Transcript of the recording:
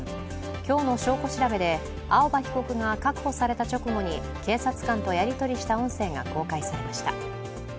今日の証拠調べで、青葉被告が確保された直後に警察官とやり取りした音声が公開されました。